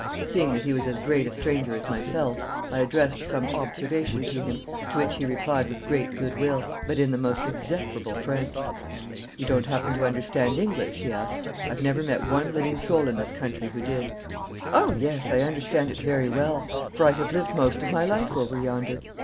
Seeing that he was as great a stranger as myself, I addressed some observation to him, to which he replied with great good will, but in the most execrable French. 'You don't happen to understand English?' he asked. 'I've never met one living soul in this country who did.' 'Oh yes, I understand it very well, for I have lived most of my life over yonder.